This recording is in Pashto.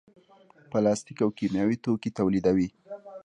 پلاستیک او کیمیاوي توکي تولیدوي.